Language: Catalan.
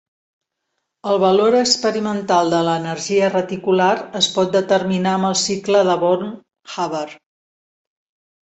El valor experimental de l'energia reticular es pot determinar amb el cicle de Born-Haber.